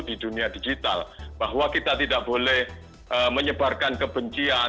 di dunia digital bahwa kita tidak boleh menyebarkan kebencian